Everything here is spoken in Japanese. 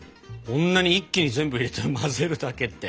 こんなに一気に全部入れて混ぜるだけって。